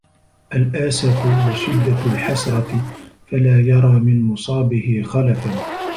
الْأَسَفُ وَشِدَّةُ الْحَسْرَةِ فَلَا يَرَى مِنْ مُصَابِهِ خَلَفًا